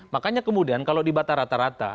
makanya kemudian kalau dibatar rata rata